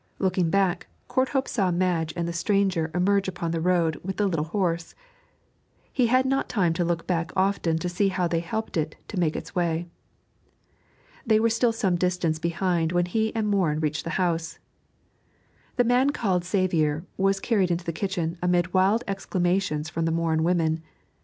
Looking back, Courthope saw Madge and the stranger emerge upon the road with the little horse. He had not time to look back often to see how they helped it to make its way. They were still some distance behind when he and Morin reached the house. The man called Xavier was carried into the kitchen amid wild exclamations from the Morin women.